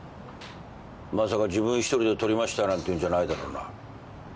まさか自分一人で撮りましたなんて言うんじゃないだろうな。